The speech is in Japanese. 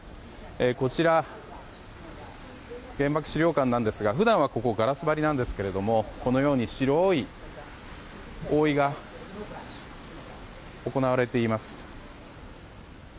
こちら、原爆資料館なんですが普段はここガラス張りなんですけれどもこのように白い覆いが行われています。